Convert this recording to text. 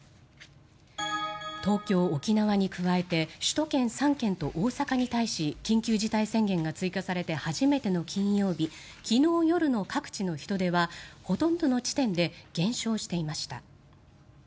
東京、沖縄に加えて首都圏３県と大阪に対し緊急事態宣言が追加されて初めての金曜日昨日夜の各地の人出はほとんどの地点で減少していました。